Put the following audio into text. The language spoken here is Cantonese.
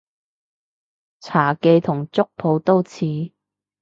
茶記同粥舖都似